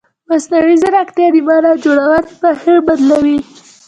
مصنوعي ځیرکتیا د معنا جوړونې بهیر بدلوي.